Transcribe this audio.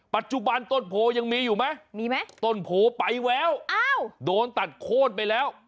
ปัจจุบันต้นโพยังมีอยู่ไหมมีไหมต้นโพไปแล้วอ้าวโดนตัดโค้นไปแล้ว